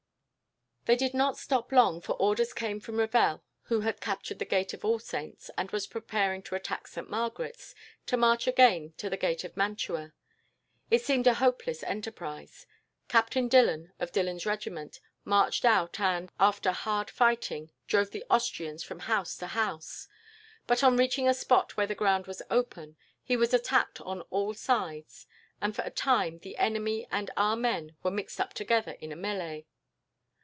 "They did not stop long, for orders came from Revel, who had captured the gate of All Saints, and was preparing to attack Saint Margaret's, to march again to the gate of Mantua. It seemed a hopeless enterprise. Captain Dillon, of Dillon's regiment, marched out and, after hard fighting, drove the Austrians from house to house; but, on reaching a spot where the ground was open, he was attacked on all sides, and for a time the enemy and our men were mixed up together in a melee.